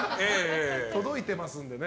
届いてますんで。